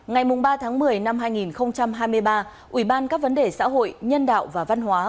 ngày ba tháng một mươi năm hai nghìn hai mươi ba ủy ban các vấn đề xã hội nhân đạo và văn hóa